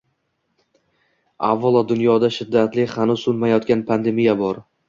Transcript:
Avvalo, dunyoda shiddati hanuz so‘nmayotgan pandemiya bor.